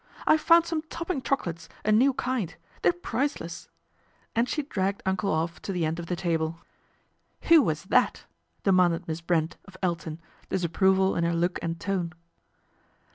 " I've found some topping chocolates, a new kind. They're priceless," and she dragged Uncle off to the end of the table. PATRICIA BRENT. SPINSTER " Who was that ?" demanded Miss Brent of Elton, disapproval in her look and tone.